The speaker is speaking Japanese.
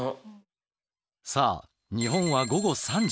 さあ日本は午後３時。